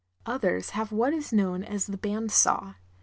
Others have what is known as the band saw.